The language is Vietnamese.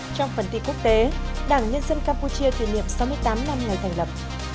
trong phần tin quốc tế đảng nhân dân campuchia kỷ niệm sáu mươi tám năm ngày thành lập